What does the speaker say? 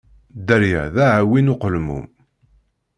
Dderya d aɛwin uqelmun.